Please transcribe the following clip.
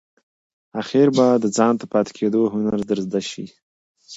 آخیر به د ځانته پاتې کېدو هنر در زده شي !